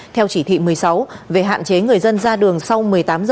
theo chỉ thị một mươi sáu về hạn chế người dân ra đường sau một mươi tám h